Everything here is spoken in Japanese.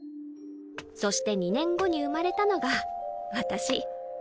そして２年後に生まれたのが私。